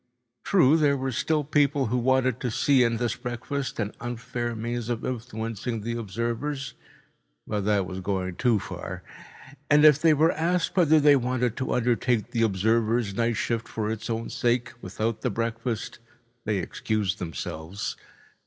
True, there were still people who wanted to see in this breakfast an unfair means of influencing the observers, but that was going too far, and if they were asked whether they wanted to undertake the observers' night shift for its own sake, without the breakfast, they excused themselves.